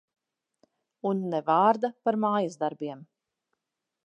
Un ne vārda par mājasdarbiem.